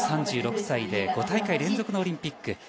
３６歳で５大会連続のオリンピック。